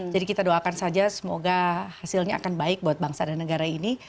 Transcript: jadi kita doakan saja semoga hasilnya akan baik buat bangsa dan negara ini